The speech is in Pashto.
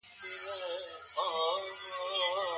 هغه څوک پارېدای سي چي حقوق يې خوړل سوي وي.